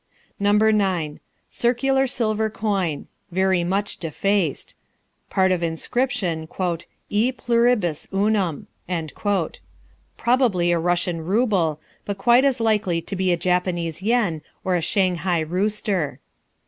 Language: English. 9. Circular silver coin. Very much defaced. Part of inscription, "E Pluribus Unum." Probably a Russian rouble, but quite as likely to be a Japanese yen or a Shanghai rooster.